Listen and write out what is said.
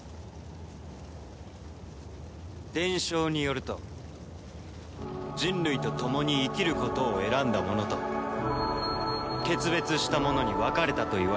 伝承によると人類と共に生きることを選んだ者と決別した者に分かれたといわれている。